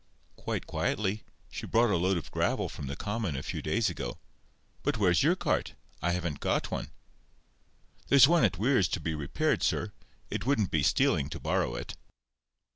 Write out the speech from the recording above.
"Quite quietly. She brought a load of gravel from the common a few days ago. But where's your cart? I haven't got one." "There's one at Weir's to be repaired, sir. It wouldn't be stealing to borrow it."